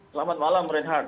selamat malam brin hart